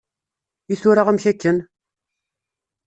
I tura amek akken?